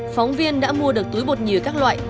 phóng viên đã mua được túi bột nhựa các loại